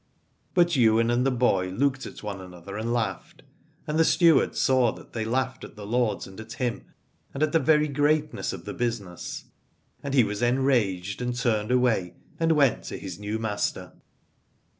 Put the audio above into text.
But Ywain and the boy looked at one another and laughed, and the steward saw that they laughed at the lords and at him and at the very greatness of the business: and he was enraged, and turned away and went to his new master.